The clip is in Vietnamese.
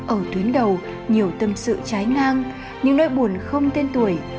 ở tuyến đầu nhiều tâm sự trái ngang những nỗi buồn không tên tuổi